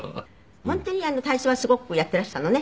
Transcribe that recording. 本当に体操はすごくやっていらしたのね。